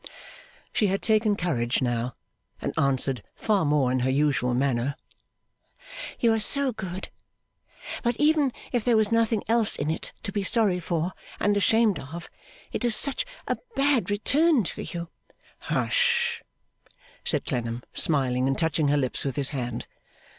She had taken courage now, and answered, far more in her usual manner, 'You are so good! But even if there was nothing else in it to be sorry for and ashamed of, it is such a bad return to you ' 'Hush!' said Clennam, smiling and touching her lips with his hand.